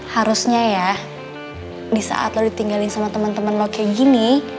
harusnya ya disaat lo ditinggalin sama temen temen lo kayak gini